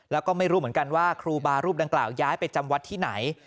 แล้วก็ไม่รู้เหมือนกันว่าครูบารูปดังกล่าวย้ายไปจำวัดที่ไหน